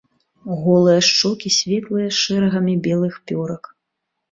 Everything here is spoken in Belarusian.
Голыя шчокі светлыя з шэрагамі белых пёрак.